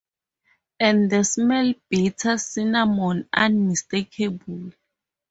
And the smell-bitter cinnamon, unmistakable.